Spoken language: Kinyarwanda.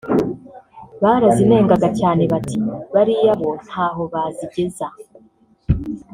barazinengaga cyane bati ‘bariya bo ntaho bazigeza